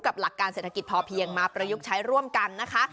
หลักการเศรษฐกิจพอเพียงมาประยุกต์ใช้ร่วมกันนะคะ